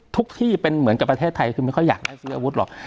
ที่เป็นเหมือนกับประเทศไทยคือไม่ค่อยอยากได้ซื้ออาวุธหรอก